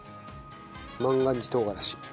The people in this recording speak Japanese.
万願寺とうがらし。